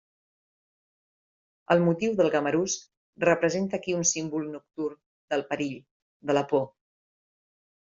El motiu del gamarús representa aquí un símbol nocturn del perill, de la por.